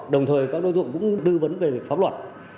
đồng thời các đối tượng cũng tư vấn về pháp luật